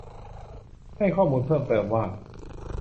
ให้ข้อมูลเพิ่มเติมว่า